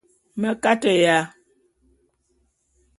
Me kateya.